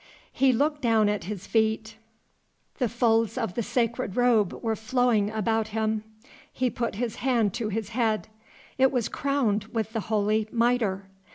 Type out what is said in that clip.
He looked down at his feet; the folds of the sacred robe were flowing about them: he put his hand to his head; it was crowned with the holy mitre.